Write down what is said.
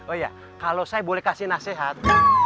oh iya kalau saya boleh kasih nasihat